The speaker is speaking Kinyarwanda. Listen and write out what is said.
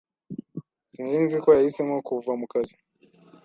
Sinari nzi ko yahisemo kuva mu kazi.